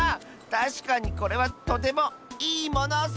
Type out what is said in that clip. たしかにこれはとても「いいもの」ッス！